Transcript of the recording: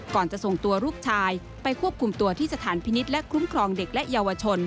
จะส่งตัวลูกชายไปควบคุมตัวที่สถานพินิษฐ์และคุ้มครองเด็กและเยาวชน